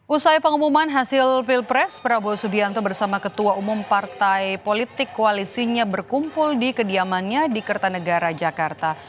usai pengumuman hasil pilpres prabowo subianto bersama ketua umum partai politik koalisinya berkumpul di kediamannya di kertanegara jakarta